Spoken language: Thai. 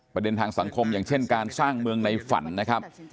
ทางสังคมอย่างเช่นการสร้างเมืองในฝันนะครับ